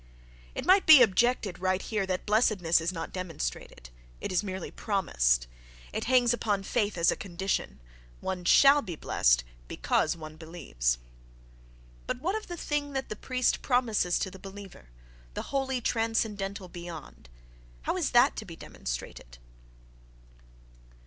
—It might be objected right here that blessedness is not dem onstrated, it is merely promised: it hangs upon "faith" as a condition—one shall be blessed because one believes.... But what of the thing that the priest promises to the believer, the wholly transcendental "beyond"—how is that to be demonstrated?